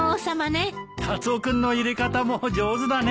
カツオ君の入れ方も上手だね。